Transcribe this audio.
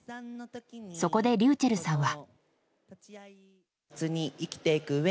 そこでｒｙｕｃｈｅｌｌさんは。